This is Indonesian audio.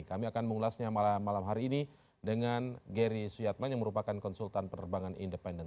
kami akan mengulasnya malam hari ini dengan geri suyatman yang merupakan konsultan penerbangan independen